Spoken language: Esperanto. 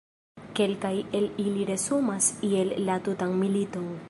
Kelkaj el ili resumas iel la tutan militon.